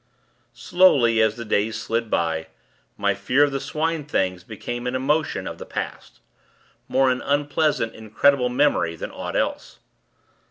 Slowly, as the days slid by, my fear of the Swine things became an emotion of the past more an unpleasant, incredible memory, than aught else.